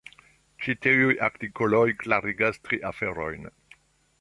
Ĉi tiuj artikoloj klarigas tri aferojn.